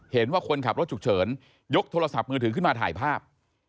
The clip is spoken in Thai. เห็นว่าคนขับรถฉุกเฉินยกโทรศัพท์มือถือขึ้นมาถ่ายภาพ